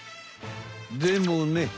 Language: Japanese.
でもね